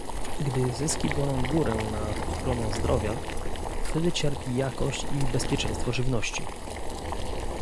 Gdy zyski biorą górę nad ochroną zdrowia, wtedy cierpi jakość i bezpieczeństwo żywności